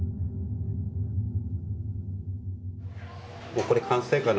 もうこれ完成かな？